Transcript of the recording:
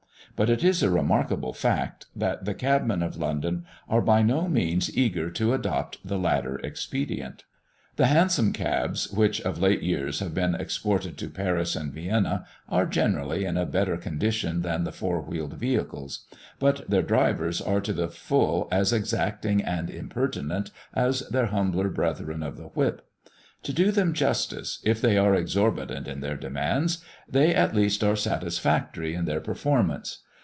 But it is a remarkable fact, that the cabmen of London are by no means eager to adopt the latter expedient. The Hansom Cabs, which of late years have been exported to Paris and Vienna, are generally in a better condition than the four wheeled vehicles; but their drivers are to the full as exacting and impertinent as their humbler brethren of the whip. To do them justice, if they are exorbitant in their demands, they at least are satisfactory in their performance.